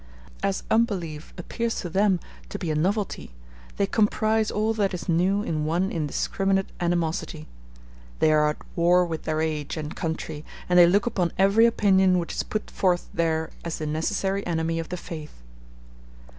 As unbelief appears to them to be a novelty, they comprise all that is new in one indiscriminate animosity. They are at war with their age and country, and they look upon every opinion which is put forth there as the necessary enemy of the faith.